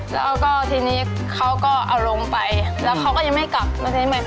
แล้วก็ทีนี้เขาก็เอาลงไปแล้วเขาก็ยังไม่กลับมาใช้ใหม่